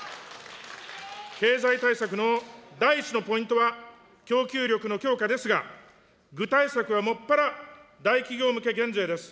経済対策の第１のポイントは供給力の強化ですが、具体策はもっぱら大企業向け減税です。